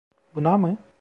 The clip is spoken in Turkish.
Buna mı?